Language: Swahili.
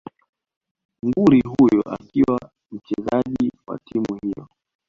nguri huyo akiwa mchezaji wa timu hiyo